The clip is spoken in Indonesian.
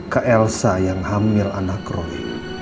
ke elsa yang hamil anak rolling